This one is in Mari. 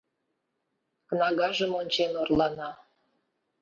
Кнагажым ончен орлана.